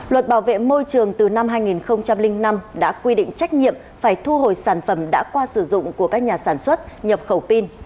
luật bảo vệ môi trường từ năm hai nghìn năm đã quy định trách nhiệm phải thu hồi sản phẩm đã qua sử dụng của các nhà sản xuất nhập khẩu pin